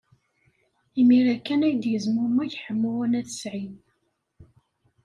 Imir-a kan ay d-yezmumeg Ḥemmu n At Sɛid.